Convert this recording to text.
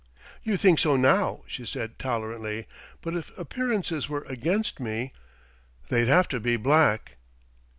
"You think so now," she said tolerantly. "But if appearances were against me " "They'd have to be black!"